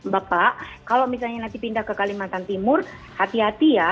bapak kalau misalnya nanti pindah ke kalimantan timur hati hati ya